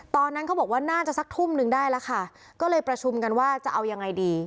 ตอนนั้นเขาบอกว่าน่าจะสักทุ่มนึงได้แล้วค่ะก็เลยประชุมกันว่าจะเอายังไงดี